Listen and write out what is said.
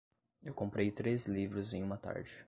Eu comprei três livros em uma tarde.